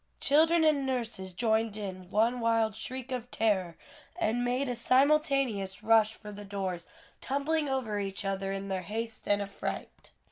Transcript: Children and nurses joined in one wild shriek of terror, and made a simultaneous rush for the doors, tumbling over each other in their haste and affright.